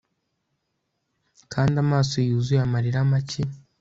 kandi amaso yuzuye amarira make